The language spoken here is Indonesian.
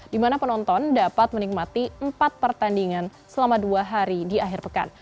di mana penonton dapat menikmati empat pertandingan selama dua hari di akhir pekan